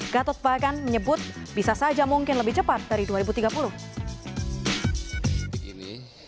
gatot bahkan menyebut bisa saja mungkin lebih cepat dari dua ribu tiga puluh